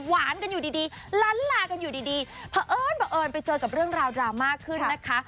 กันอยู่ดีลั้นลากันอยู่ดีเพราะเอิญเผอิญไปเจอกับเรื่องราวดราม่าขึ้นนะคะ